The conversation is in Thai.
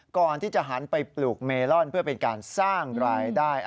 ก่อนที่จะหันไปปลูกเมลอนเพื่อเป็นการสร้างรายได้